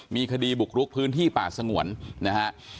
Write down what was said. มีคดีบุกรุกพื้นที่ป่าสงวนนะฮะ